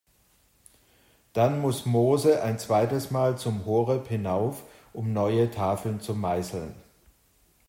Dann muss Mose ein zweites Mal zum Horeb hinauf, um neue Tafeln zu meißeln.